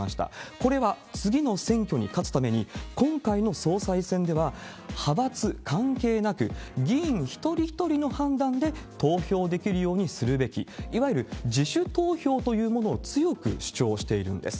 これは次の選挙に勝つために、今回の総裁選では派閥関係なく、議員一人一人の判断で投票できるようにするべき、いわゆる自主投票というものを強く主張しているんです。